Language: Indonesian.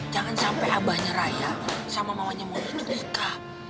jangan sampai abahnya raya sama mawannya moni itu nikah